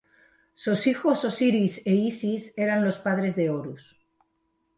Sus hijos Osiris e Isis eran los padres de Horus.